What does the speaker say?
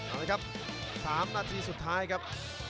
เอาละครับ๓นาทีสุดท้ายครับ